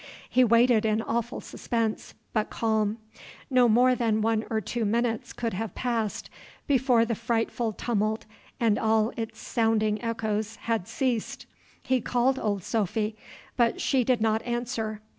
He waited in awful suspense, but calm. Not more than one or two minutes could have passed before the frightful tumult and all its sounding echoes had ceased. He called Old Sophy; but she did not answer.